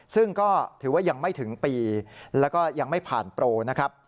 ซึ่งก็ถือว่ายังไม่ถึงปีแล้วก็ยังไม่ผ่านโปรนะครับ